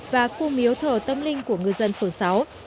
và cua miếu thở tâm linh của người dân phường sáu